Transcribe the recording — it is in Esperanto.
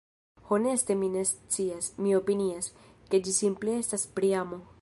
Honeste mi ne scias. Mi opinias, ke ĝi simple estas pri amo.